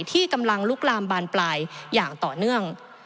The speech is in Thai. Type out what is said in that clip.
ที่กำลังลุกลามบานปลายอย่างต่อเนื่อง